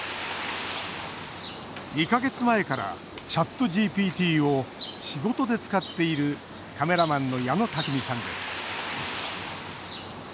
２か月前からＣｈａｔＧＰＴを仕事で使っているカメラマンの矢野拓実さんです。